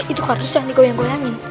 itu kardus yang digoyang goyangin